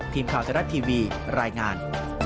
ทีมข่าวเศรษฐ์ทีวีรายงาน